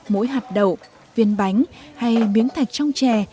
mỗi hạt đậu viên bánh hay miếng thạch trong chè